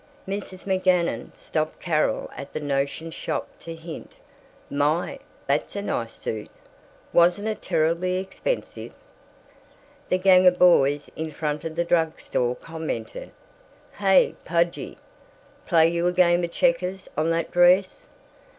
Mrs. McGanum stopped Carol at the notions shop to hint, "My, that's a nice suit wasn't it terribly expensive?" The gang of boys in front of the drug store commented, "Hey, Pudgie, play you a game of checkers on that dress."